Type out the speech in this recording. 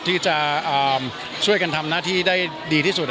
ที่จะช่วยกันทำหน้าที่ได้ดีที่สุด